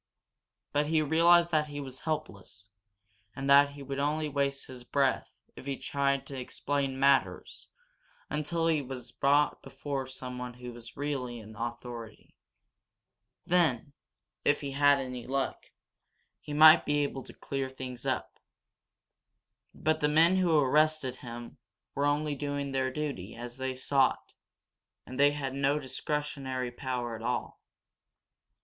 But he realized that he was helpless, and that he would only waste his breath if he tried to explain matters until he was brought before someone who was really in authority. Then, if he had any luck, he might be able to clear things up. But the men who arrested him were only doing their duty as they saw it, and they had no discretionary power at all.